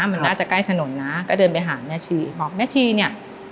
มันน่าจะใกล้ถนนนะก็เดินไปหาแม่ชีบอกแม่ชีเนี่ย